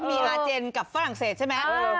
มีอาเจนกับฝรั่งเศสใช่ไหม